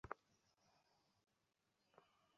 তাকে হঠাৎ আক্রমণ করবো, বজ্রটা নেবো এবং কাজ খতম।